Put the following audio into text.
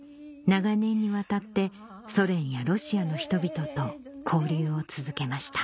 長年にわたってソ連やロシアの人々と交流を続けました